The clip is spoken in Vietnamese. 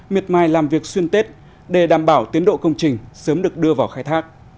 miệt mai làm việc xuyên tết để đảm bảo tiến độ công trình sớm được đưa vào khách